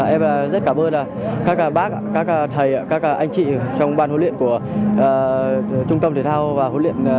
em rất cảm ơn các bác các thầy các anh chị trong ban huấn luyện của trung tâm thể thao và huấn luyện